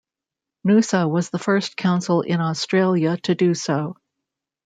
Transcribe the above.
Noosa was the first Council in Australia to do so.